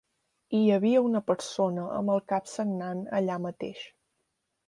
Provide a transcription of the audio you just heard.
I hi havia una persona amb el cap sagnant allà mateix.